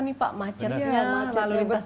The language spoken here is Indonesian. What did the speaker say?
nih pak macetnya lalu lintas